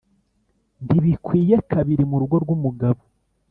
ntibikwiye kabiri mu rugo rw’umugabo